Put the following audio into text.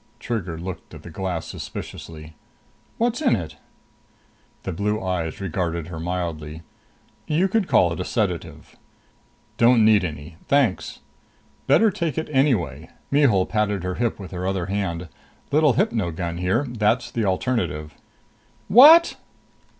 Trigger looked at the glass suspiciously. "What's in it?" The blue eyes regarded her mildly. "You could call it a sedative." "Don't need any. Thanks." "Better take it anyway." Mihul patted her hip with her other hand. "Little hypo gun here. That's the alternative." "What!"